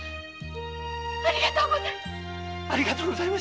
ありがとうございます。